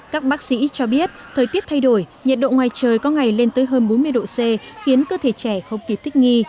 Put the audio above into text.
các bác sĩ cho biết thời tiết thay đổi nhiệt độ ngoài trời có ngày lên tới hơn bốn mươi độ c khiến cơ thể trẻ không kịp thích nghi